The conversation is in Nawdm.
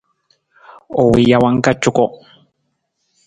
U wii jawang ka cuko.